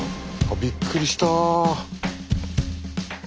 びっくりした。